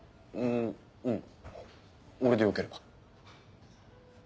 うん俺でよければ。